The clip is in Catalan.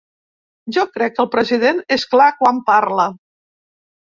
Jo crec que el president és clar quan parla.